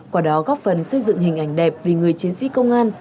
quả đó góp phần xây dựng hình ảnh đẹp vì người chiến sĩ công an